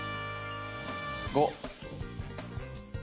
５！